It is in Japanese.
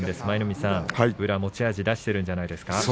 舞の海さん、宇良は持ち味を出しているんじゃないですか。